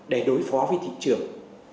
để đối phó với thị trường